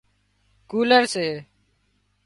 ڪُولر سي